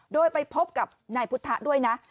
โดยไปพบกับนายพุทธะด้วยนะ